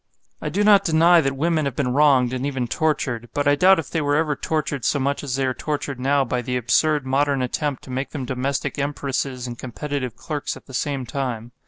I do not deny that women have been wronged and even tortured; but I doubt if they were ever tortured so much as they are tortured now by the absurd modern attempt to make them domestic empresses and competitive clerks at the same time.